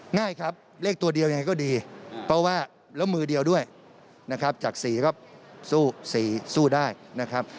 ง่ายครับเลขตัวเดียวยังไงก็ดีแล้วมือเดียวด้วยจาก๔ซู้ได้นะครับ